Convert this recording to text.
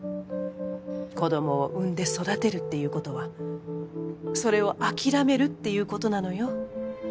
子供を産んで育てるっていうことはそれを諦めるっていうことなのよ